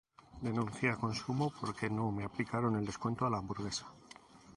denuncié a consumo porque no me aplicaron el descuento a la hamburguesa